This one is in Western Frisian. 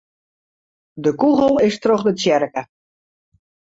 De kûgel is troch de tsjerke.